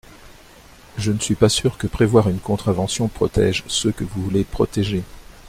Je ne suis pas sûr que prévoir une contravention protège ceux que vous voulez protéger.